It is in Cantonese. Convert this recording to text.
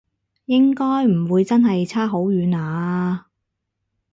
應該唔會真係差好遠啊？